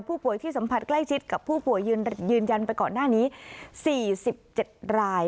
ผู้ป่วยที่สัมผัสใกล้ชิดกับผู้ป่วยยืนยันไปก่อนหน้านี้๔๗ราย